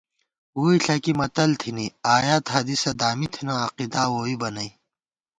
ووئی ݪَکی متل تھنی، آیات حدیثہ دامی تھنہ عقیدا ووئیبہ نئ